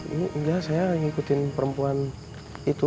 nggak saya ngikutin perempuan itu